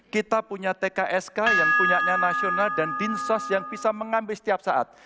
kita punya tksk yang punya nasional dan dinsos yang bisa mengambil setiap saat